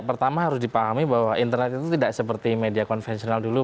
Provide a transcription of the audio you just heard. pertama harus dipahami bahwa internet itu tidak seperti media konvensional dulu